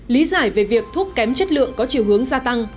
lý giải về việc thuốc kém chất lượng có chiều hướng gia tăng